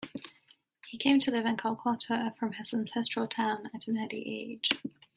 He came to live in Kolkata from his ancestral town at an early age.